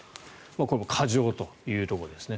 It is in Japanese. これも過剰というところですね。